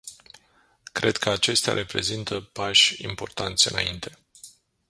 Cred că acestea reprezintă pași importanți înainte.